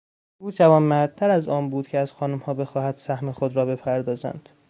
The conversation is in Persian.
او جوانمردتر از آن بود که از خانمها بخواهد سهم خود را بپردازند.